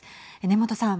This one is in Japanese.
根本さん。